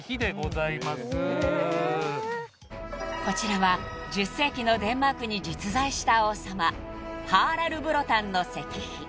［こちらは１０世紀のデンマークに実在した王様ハーラル・ブロタンの石碑］